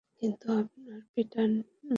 কিন্তু আপনার পিটার নই।